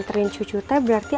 bapak mau duit dulu kan